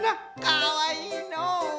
かわいいのう！